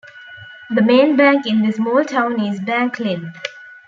The main bank in this small town is "Bank Linth".